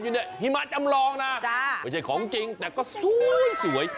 อยู่เนี้ยหิมะจำลองน่ะจ้าไม่ใช่ของจริงแต่ก็สวยสวย